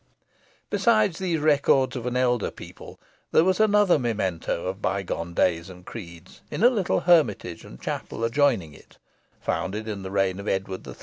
Besides these records of an elder people, there was another memento of bygone days and creeds, in a little hermitage and chapel adjoining it, founded in the reign of Edward III.